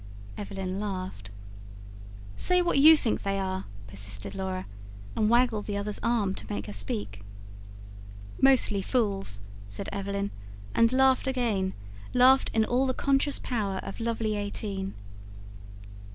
Evelyn laughed. "Say what you think they are," persisted Laura and waggled the other's arm, to make her speak. "Mostly fools," said Evelyn, and laughed again laughed in all the conscious power of lovely eighteen.